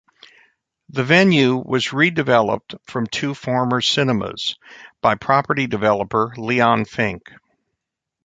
The venue was redeveloped, from two former cinemas, by property developer Leon Fink.